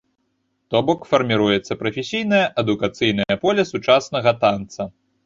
То бок, фарміруецца прафесійнае, адукацыйнае поле сучаснага танца.